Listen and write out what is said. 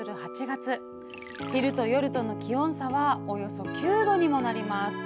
昼と夜との気温差はおよそ９℃にもなります。